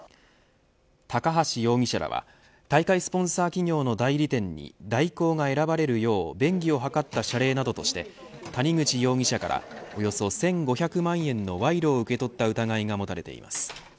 高橋容疑者らは大会スポンサー企業の代理店に大広が選ばれるよう便宜を図った謝礼などとして谷口容疑者からおよそ１５００万円の賄賂を受け取った疑いが持たれています。